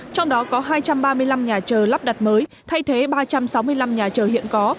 trong đó có hai trăm ba mươi năm nhà chờ lắp đặt mới thay thế ba trăm sáu mươi năm nhà chờ hiện có